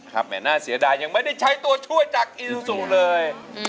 ครับแหม่นหน้าเสียดายยังไม่ได้ใช้ตัวช่วยจากอิซูเลย